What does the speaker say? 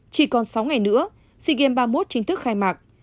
chỉ còn sáu ngày nữa sea games ba mươi một chính thức khai mạc